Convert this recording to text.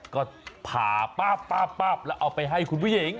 ก็ผ่าป้าบป้าบป้าบแล้วเอาไปให้คุณผู้หญิง